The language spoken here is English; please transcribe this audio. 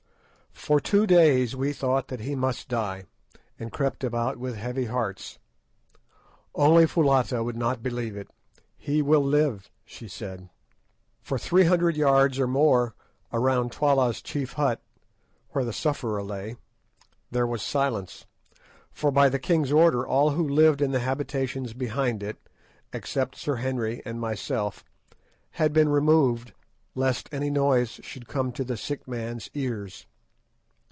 For two days we thought that he must die, and crept about with heavy hearts. Only Foulata would not believe it. "He will live," she said. For three hundred yards or more around Twala's chief hut, where the sufferer lay, there was silence; for by the king's order all who lived in the habitations behind it, except Sir Henry and myself, had been removed, lest any noise should come to the sick man's ears.